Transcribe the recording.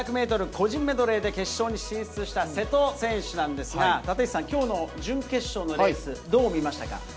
個人メドレーで決勝に進出した瀬戸選手なんですが、立石さん、きょうの準決勝のレース、どう見ましたか。